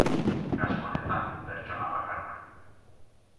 Kasu honetan, pertsona bakarra.